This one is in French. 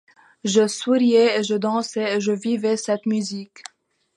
Je souriais et je dansais, et je vivais cette musique.